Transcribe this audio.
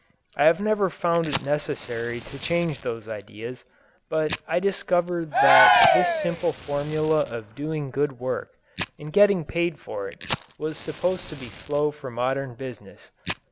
I have never found it necessary to change those ideas, but I discovered that this simple formula of doing good work and getting paid for it was supposed to be slow for modern business.